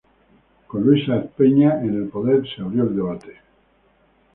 Con Luis Sáenz Peña en el poder se abrió el debate.